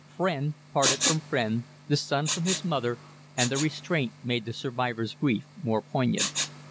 Friend parted from friend, the son from his mother, and the restraint made the survivor's grief more poignant.